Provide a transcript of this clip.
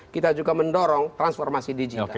kita juga mendorong transformasi digital